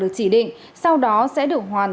được chỉ định sau đó sẽ được hoàn